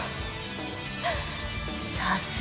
さすが。